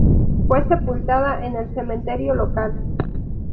Fue sepultada en el cementerio local.